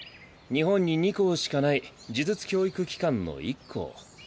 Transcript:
日本に２校しかない呪術教育機関の１校。